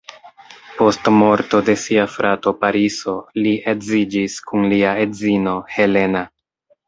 Post morto de sia frato Pariso li edziĝis kun lia edzino Helena.